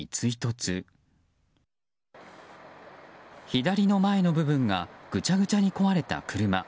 左の前の部分がぐちゃぐちゃに壊れた車。